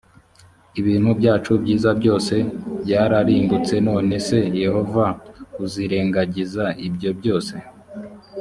ibintu byacu byiza byose c byararimbutse none se yehova uzirengagiza ibyo byose